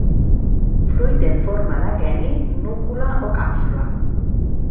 Fruit en forma d'aqueni, núcula o càpsula.